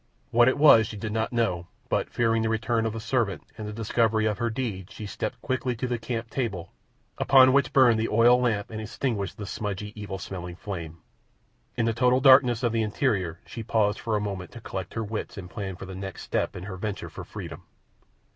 What it was she did not know, but, fearing the return of the servant and the discovery of her deed, she stepped quickly to the camp table upon which burned the oil lamp and extinguished the smudgy, evil smelling flame. In the total darkness of the interior she paused for a moment to collect her wits and plan for the next step in her venture for freedom.